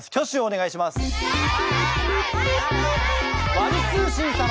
ワル通信様。